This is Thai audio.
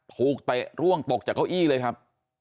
โผล่ไปล่วงตกจากเก้าอี่เลยครับ